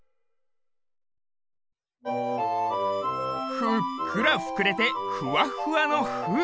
ふっくらふくれてふわふわの「ふ」